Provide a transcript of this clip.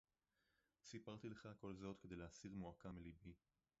סִפַּרְתִּי לְךָ כָּל זֹאת כְּדֵי לְהָסִיר מוּעָקָה מִלִּבִּי.